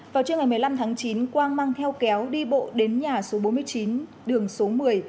vào trưa ngày một mươi năm tháng chín quang mang theo kéo đi bộ đến nhà số bốn mươi chín đường số một mươi